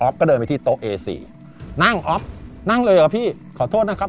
ก็เดินไปที่โต๊ะเอสี่นั่งออฟนั่งเลยเหรอพี่ขอโทษนะครับ